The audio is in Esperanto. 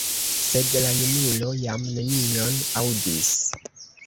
Sed la junulo jam nenion aŭdis.